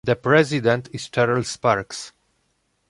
The president is Cheryl Sparks.